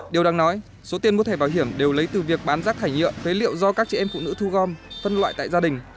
điều đáng nói số tiền mua thẻ bảo hiểm đều lấy từ việc bán rác thải nhựa phế liệu do các chị em phụ nữ thu gom phân loại tại gia đình